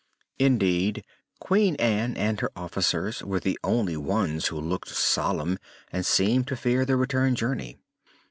Indeed, Queen Ann and her officers were the only ones who looked solemn and seemed to fear the return journey.